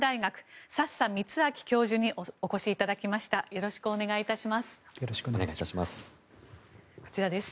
よろしくお願いします。